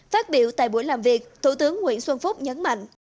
phát biểu tại buổi làm việc thủ tướng nguyễn xuân phúc nhấn mạnh